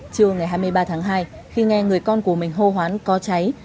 trưa ngày hai mươi ba tháng hai khi nghe người con của mình hô hoán có cháy